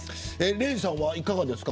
礼二さんはいかがですか